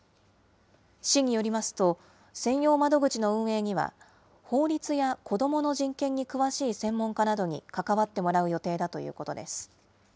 市によりますと、専用窓口の運営には、法律や子どもの人権に詳しい専門家などに関わってもらう予定だということです。